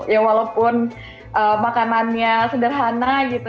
ya walaupun makanannya sederhana gitu